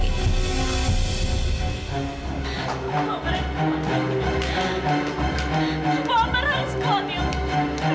bu amar harus ke rumah ibu